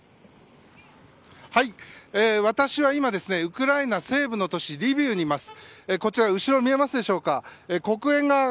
私は今、ウクライナ西部の都市リビウにいます。